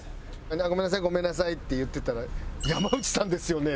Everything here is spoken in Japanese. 「ごめんなさいごめんなさい」って言ってたら。